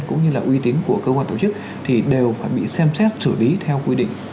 cũng như là uy tín của cơ quan tổ chức thì đều phải bị xem xét xử lý theo quy định